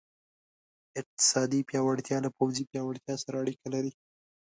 اقتصادي پیاوړتیا له پوځي پیاوړتیا سره اړیکه لري.